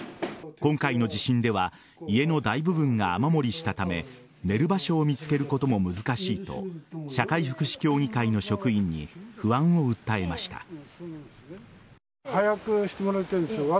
今回の地震では家の大部分が雨漏りしたため寝る場所を見つけることも難しいと社会福祉協議会の職員に不安を訴えました。